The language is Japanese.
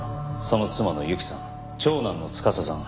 その妻の雪さん長男の司さん